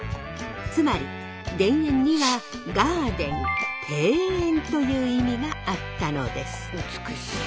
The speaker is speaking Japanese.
つまり田園にはという意味があったのです。